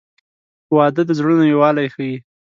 • واده د زړونو یووالی ښیي.